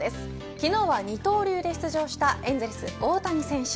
昨日は二刀流で出場したエンゼルス大谷選手。